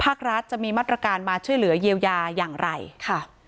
ภาครัฐจะมีมาตรการมาช่วยเหลือเยียวยาอย่างไรค่ะ